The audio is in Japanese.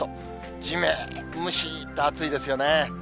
じめっ、むしっと暑いですよね。